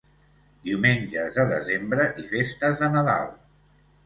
Diumenges de desembre i festes de Nadal.